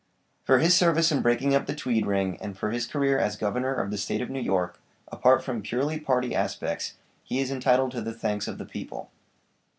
For his service in breaking up the Tweed ring, and for his career as Governor of the State of New York, apart from purely party aspects, he is entitled to the thanks of the people.